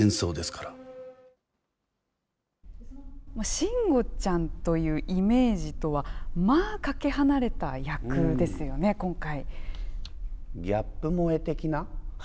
慎吾ちゃんというイメージとは、まあ、かけ離れた役ですよね、今回。